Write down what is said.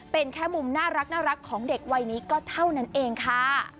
เป็นแค่มุมน่ารักของเด็กวัยนี้ก็เท่านั้นเองค่ะ